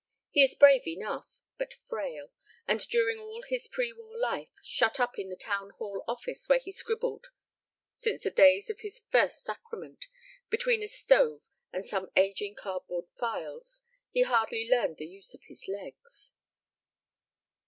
He is brave enough, but frail, and during all his prewar life, shut up in the Town Hall office where he scribbled since the days of his "first sacrament" between a stove and some ageing cardboard files, he hardly learned the use of his legs.